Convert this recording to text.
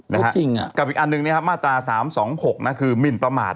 ไม่จริงอะกับอีกอันหนึ่งมาตรา๓๒๖คือหมิ่นประมาท